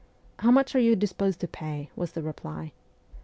' How much are you disposed to pay ?' was the reply.